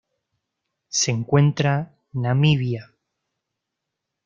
Se encuentra Namibia.